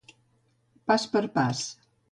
Pas per pas.